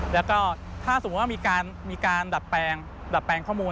แล้วก็ถ้าสมมุติว่ามีการดัดแปลงดัดแปลงข้อมูล